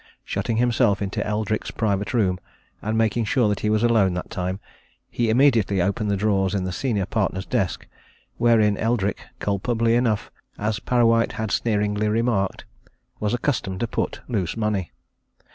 Shutting himself into Eldrick's private room, and making sure that he was alone that time, he immediately opened the drawer in the senior partner's desk, wherein Eldrick, culpably enough, as Parrawhite had sneeringly remarked, was accustomed to put loose money.